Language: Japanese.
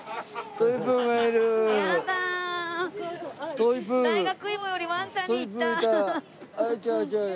大学芋よりワンちゃんにいった。